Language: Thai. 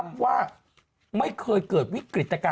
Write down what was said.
ปรากฏว่า